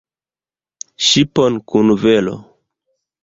ŝipon kun velo!